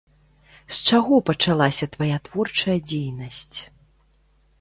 З чаго пачалася твая творчая дзейнасць?